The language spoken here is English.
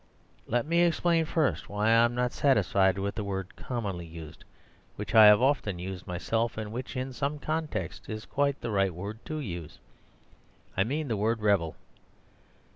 Let me explain first why I am not satisfied with the word commonly used, which I have often used myself; and which, in some contexts, is quite the right word to use. I mean the word "rebel."